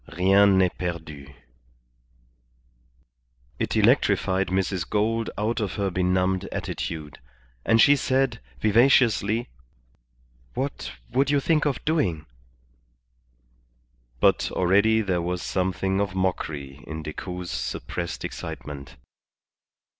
Rien n'est perdu_." It electrified Mrs. Gould out of her benumbed attitude, and she said, vivaciously "What would you think of doing?" But already there was something of mockery in Decoud's suppressed excitement.